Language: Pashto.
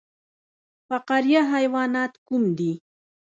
فقاریه حیوانات کوم دي؟